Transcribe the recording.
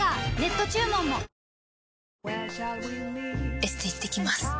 エステ行ってきます。